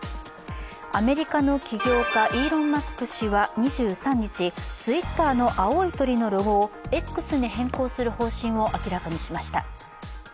アメリカの起業家イーロン・マスク氏は、２３日Ｔｗｉｔｔｅｒの青い鳥のロゴをＸに変更する方針を明らかにしました。